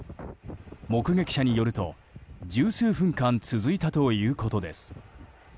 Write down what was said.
目撃者によると十数分間続いたということです。